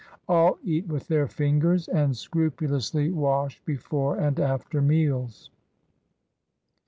All eat with their fingers, and scrupu lously wash before and after meals.